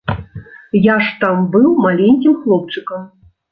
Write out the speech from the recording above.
Я ж там быў маленькім хлопчыкам.